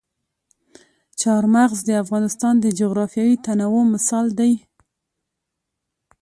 چار مغز د افغانستان د جغرافیوي تنوع مثال دی.